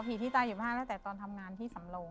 อ๋อผีที่ตายอยู่บนห้างแล้วแต่ตอนทำงานที่สำรง